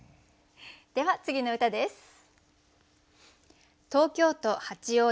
では次の歌です。